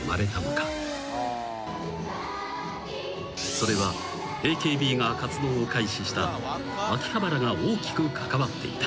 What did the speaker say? ［それはＡＫＢが活動を開始した秋葉原が大きく関わっていた。